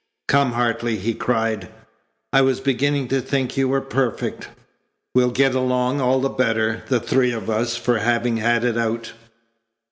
"Come, Hartley," he cried, "I was beginning to think you were perfect. We'll get along all the better, the three of us, for having had it out."